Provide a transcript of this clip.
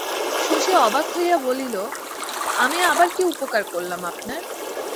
শশী অবাক হইয়া বলিল, আমি আবার কী উপকার করলাম আপনার?